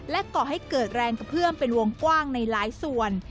ก่อให้เกิดแรงกระเพื่อมเป็นวงกว้างในหลายส่วน